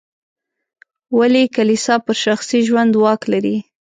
ولې کلیسا پر شخصي ژوند واک لري.